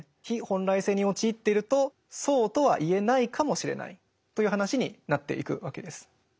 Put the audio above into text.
非本来性に陥っているとそうとは言えないかもしれないという話になっていくわけです。